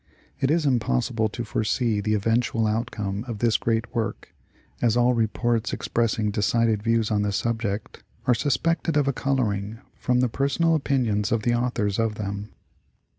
It is impossible to foresee the eventual outcome of this great work, as all reports expressing de cided views on the subject are suspected of a coloring from the personal opinions of the authors' of them.